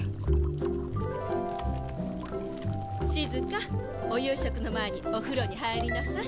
しずかお夕食の前にお風呂に入りなさい。